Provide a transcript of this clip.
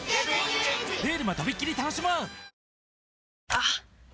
あっ！